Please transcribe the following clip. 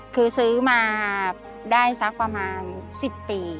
คือซื้อมาได้สักประมาณ๑๐ปี